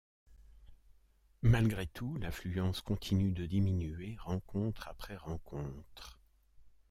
Malgré tout l'affluence continue de diminuer rencontre après rencontre.